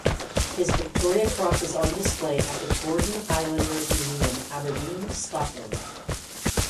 His Victoria Cross is on display at the Gordon Highlanders Museum, Aberdeen, Scotland.